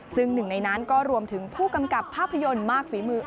ซึ่งหนึ่งในนั้นก็รวมถึงผู้กำกับภาพยนตร์มากฝีมือ